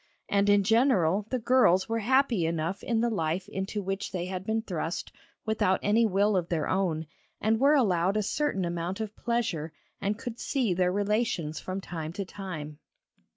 And in general the girls were happy enough in the life into which they had been thrust without any will of their own, and were allowed a certain amount of pleasure and could see their relations from time to time.